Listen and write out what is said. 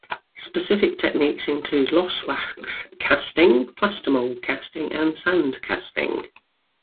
Specific techniques include lost-wax casting, plaster mold casting and sand casting.